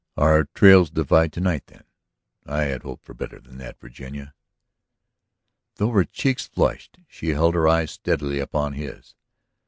"Our trails divide to night, then? I had hoped for better than that, Virginia." Though her cheeks flushed, she held her eyes steadily upon his.